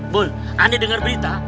bu anda denger berita